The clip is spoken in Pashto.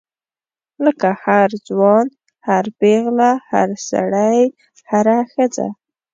لکه هر ځوان هر پیغله هر سړی هره ښځه.